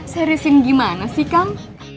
seriusin gimana sih kang